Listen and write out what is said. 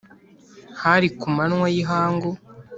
_hari ku manywa y’ihangu